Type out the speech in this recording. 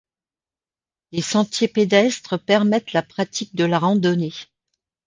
Des sentiers pédestres permettent la pratique de la randonnée.